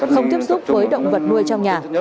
không tiếp xúc với động vật nuôi trong nhà